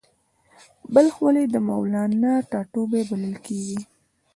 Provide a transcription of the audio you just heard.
بلخ ولې د مولانا ټاټوبی بلل کیږي؟